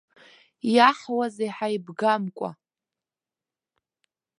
Иаҳуазеи ҳаибгамкәа.